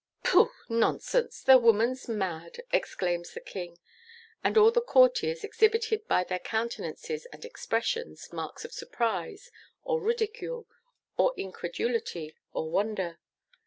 'Pooh! Nonsense! The woman's mad!' exclaims the King. And all the courtiers exhibited by their countenances and expressions, marks of surprise, or ridicule, or incredulity, or wonder.